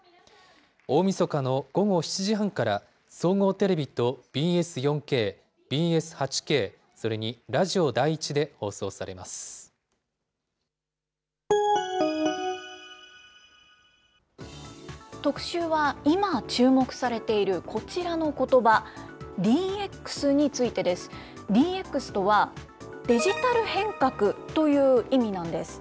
大みそかの午後７時半から、総合テレビとＢＳ４Ｋ、ＢＳ８Ｋ、特集は、今注目されているこちらのことば、ＤＸについてです。ＤＸとは、デジタル変革という意味なんです。